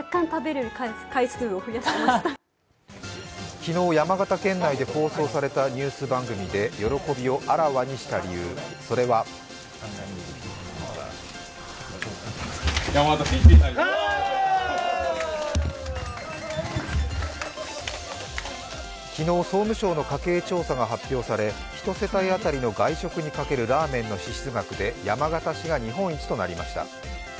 昨日、山形県内で放送されたニュース番組で喜びをあらわにした理由、それは昨日、総務省の家計調査が発表され１世帯当たりの外食にかけるラーメンの支出額で山形市が日本一となりました。